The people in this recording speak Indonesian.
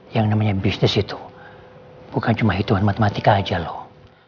yang namanya bisnis itu bukan cuma hitungan matematika aja loh